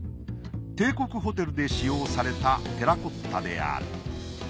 帝国ホテルで使用されたテラコッタである。